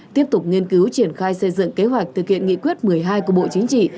tiếp tục nghiên cứu triển khai xây dựng kế hoạch thực hiện nghị quyết một mươi hai của bộ chính trị